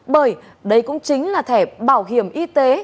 bởi đây cũng chính là thẻ bảo hiểm y tế